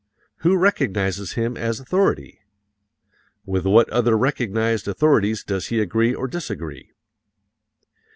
Who recognizes him as authority? With what other recognized authorities does he agree or disagree?"